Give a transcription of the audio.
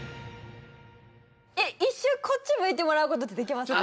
一瞬こっち向いてもらうことってできますか？